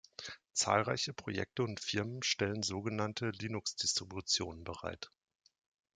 Zahlreiche Projekte und Firmen stellen sogenannte Linux-Distributionen bereit.